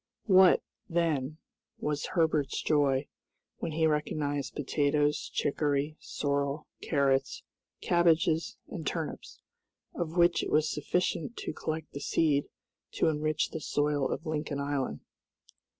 What, then, was Herbert's joy, when he recognized potatoes, chicory, sorrel, carrots, cabbages, and turnips, of which it was sufficient to collect the seed to enrich the soil of Lincoln Island.